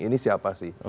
ini siapa sih